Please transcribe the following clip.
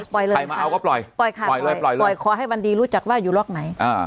ปล่อยค่ะปล่อยเลยขอให้วันดีรู้จักว่าอยู่รอกไหน